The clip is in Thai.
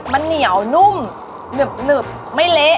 มันเหนียวนุ่มหนึบไม่เละ